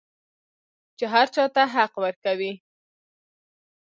چې هر چا ته حق ورکوي.